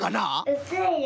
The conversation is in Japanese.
うつるよ。